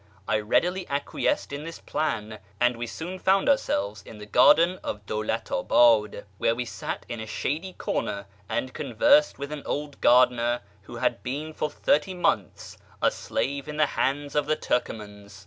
I readily acquiesced in this plan, and we soon found ourselves in the garden of Dawlat abad, where we sat in a shady corner and conversed with an old gardener who had been for thirteen [months a slave in the hands of the Turcomans.